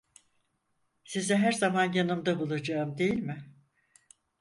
Sizi her zaman yanımda bulacağım değil mi?